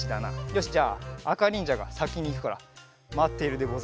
よしじゃああかにんじゃがさきにいくからまっているでござる。